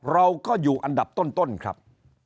เราก็อยู่อันดับต้นครับ